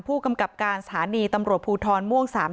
ผู้กำกับการสถานีตำรวจภูทรม่วง๓๐